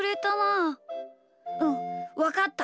うんわかった。